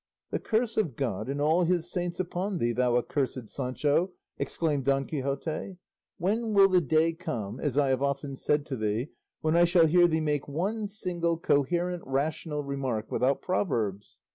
"The curse of God and all his saints upon thee, thou accursed Sancho!" exclaimed Don Quixote; "when will the day come as I have often said to thee when I shall hear thee make one single coherent, rational remark without proverbs?